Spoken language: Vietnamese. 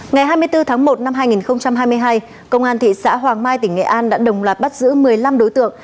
ngày hai mươi bốn tháng một năm hai nghìn hai mươi hai công an thị xã hoàng mai tỉnh nghệ an đã đồng loạt bắt giữ một mươi năm đối tượng